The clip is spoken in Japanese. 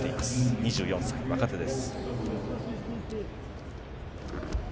２４歳、若手です。